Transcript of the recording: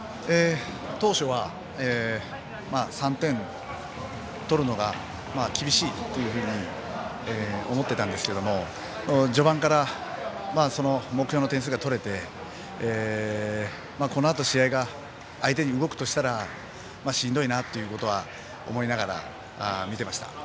当初は３点を取るのが厳しいと思っていたんですが序盤から目標の点数が取れてこのあと試合が相手に動くとしたらしんどいなということは思いながら見てました。